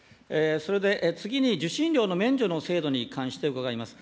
それで、次に受信料の免除の制度に関して伺います。